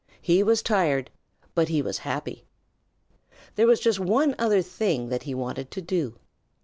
He was tired but he was happy. There was just one other thing that he wanted to do.